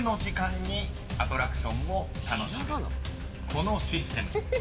［このシステム］